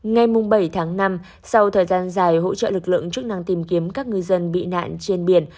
ngày bảy tháng năm sau thời gian dài hỗ trợ lực lượng chức năng tìm kiếm các ngư dân bị nạn trên biển